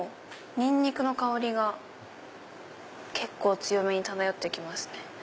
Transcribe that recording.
ニンニクの香りが結構強めに漂ってきますね。